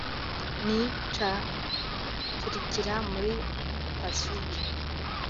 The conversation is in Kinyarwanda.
ni caturikira muri Pacifique